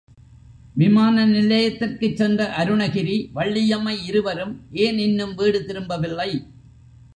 விமான நிலையத்திற்கு சென்ற அருணகிரி, வள்ளியம்மை இருவரும் ஏன் இன்னும் வீடு திரும்பவில்லை?